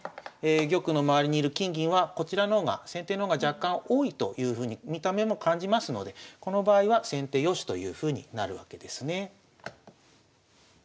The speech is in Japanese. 玉の周りに居る金銀はこちらの方が先手の方が若干多いというふうに見た目も感じますのでこの場合は先手よしというふうになるわけですね。